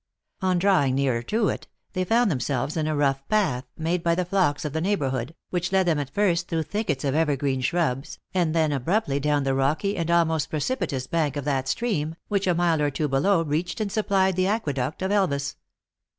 On drawing nearer to it, they found themselves in a rough path, made by the flocks of the neighborhood, which led them at first through thickets of evergreen shrubs, and then abruptly down the rocky and almost precipitous bank of that stream, which a mile or two below reached and supplied the aqueduct of Elvas.